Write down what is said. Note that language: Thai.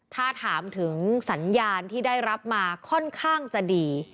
ถ้าถามถึงสัญญาณที่ได้รับมาค่อนข้างจะดี